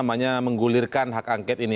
menggulirkan hak angket ini